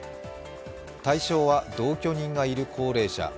対象は、同居人がいる高齢者。